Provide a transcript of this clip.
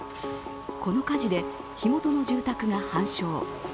この火事で、火元の住宅が半焼。